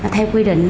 theo quy định